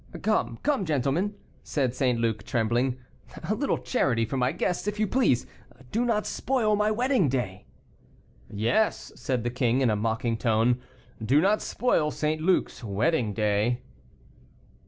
"Come, come, gentlemen," said St. Luc, trembling, "a little charity for my guests, if you please; do not spoil my wedding day." "Yes," said the king, in a mocking tone; "do not spoil St. Luc's wedding day."